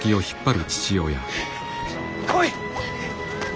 来い！